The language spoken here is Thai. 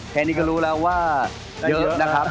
แค่นี้ก็รู้แล้วว่าเยอะนะครับ